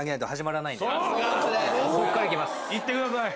行ってください。